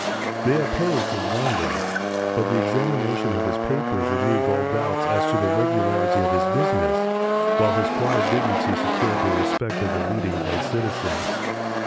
They opposed his landing, but the examination of his papers removed all doubts as to the regularity of his business, while his quiet dignity secured the respect of the leading white citizens.